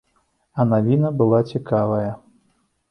А навіна была цікавая.